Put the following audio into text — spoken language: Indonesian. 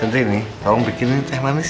nanti ini kamu bikin teh manis